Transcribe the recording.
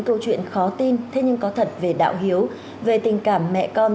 câu chuyện khó tin thế nhưng có thật về đạo hiếu về tình cảm mẹ con